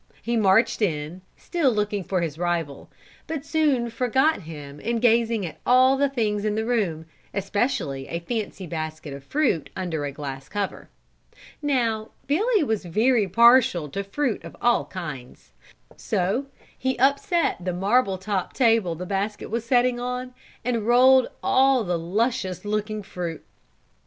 He marched in, still looking for his rival, but soon forgot him in gazing at the things in the room, especially a fancy basket of fruit under a glass cover. Now Billy was very partial to fruit of all kinds, so he upset the marble top table the basket was setting on and out rolled all the luscious looking fruit.